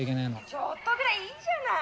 「ちょっとぐらいいいじゃない！